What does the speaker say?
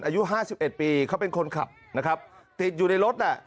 อายุห้าสิบเอ็ดปีเขาเป็นคนขับนะครับติดอยู่ในรถแหละ